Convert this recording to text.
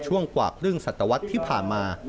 ช่วงกว่าครึ่งศตวรรษที่ผ่านมา